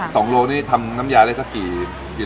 โลนี่ทำน้ำยาได้สักกี่กิโล